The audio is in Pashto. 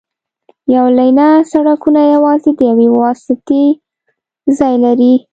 یو لینه سړکونه یوازې د یوې واسطې ځای لري